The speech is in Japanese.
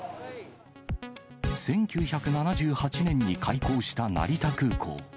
１９７８年に開港した成田空港。